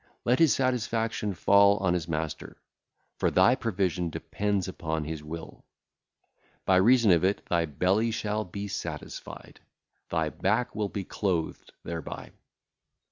Let his satisfaction fall on his master, for thy provision dependeth upon his will. By reason of it thy belly shall be satisfied; thy back will be clothed thereby.